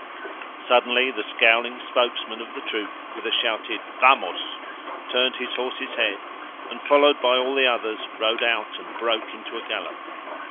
Suddenly the scowling spokesman of the troop, with a shouted "Vamos!" turned his horse's head and, followed by all the others, rode out and broke into a gallop.